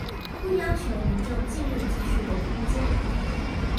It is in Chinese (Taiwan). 不要求民眾進入技術的空間